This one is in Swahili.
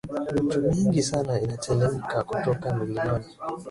mito mingi sana inatelemka kutoka milimani